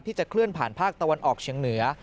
จะเคลื่อนผ่านภาคตะวันออกเชียงเหนือ